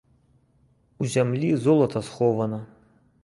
У зямлі золата схована.